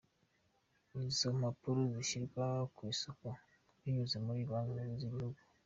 Izo mpapuro zishyirwa ku isoko binyuze muri Banki Nkuru z’Ibihugu.